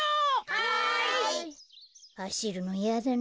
はい！はしるのいやだな。